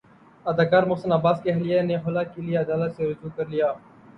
اداکار محسن عباس کی اہلیہ نے خلع کے لیے عدالت سےرجوع کر لیا